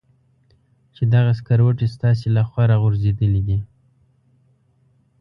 چې دغه سکروټې ستاسې له خوا را غورځېدلې دي.